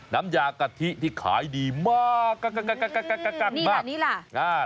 น้ำยากะทิที่ขายดีมาก